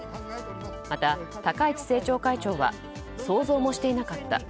また、高市政調会長は想像もしていなかった。